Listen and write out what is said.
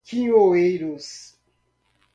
quinhoeiros